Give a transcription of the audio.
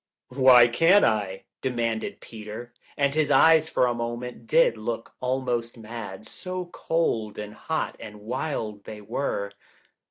"W7hy can't I?" demanded Peter, and his eyes for a moment did look almost mad, so cold and hot and wild they were.